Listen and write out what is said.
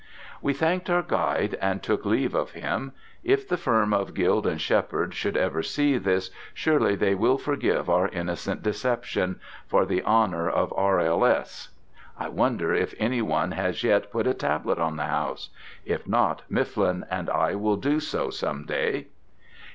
We thanked our guide and took leave of him. If the firm of Guild and Shepherd should ever see this, surely they will forgive our innocent deception, for the honour of R.L.S. I wonder if any one has yet put a tablet on the house? If not, Mifflin and I will do so, some day.